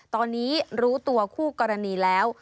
ตอนนี้รู้ตัวคู่กรณีแล้ว